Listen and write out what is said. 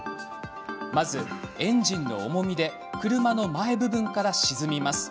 まずエンジンの重みで車の前部分から沈みます。